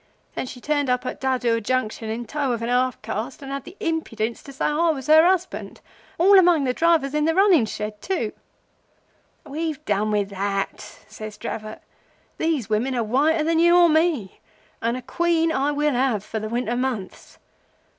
Then she turned up at Dadur Junction in tow of a half caste, and had the impidence to say I was her husband—all among the drivers of the running shed!' "'We've done with that,' says Dravot. 'These women are whiter than you or me, and a Queen I will have for the winter months.